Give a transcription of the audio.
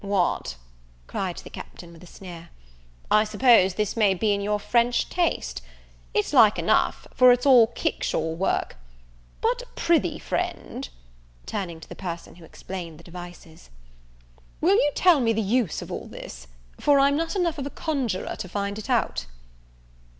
"What," cried the Captain with a sneer, "I suppose this may be in your French taste? it's like enough, for it's all kickshaw work. But pr'ythee, friend," turning to the person who explained the devices, "will you tell me the use of all this? for I'm not enough of a conjuror to find it out."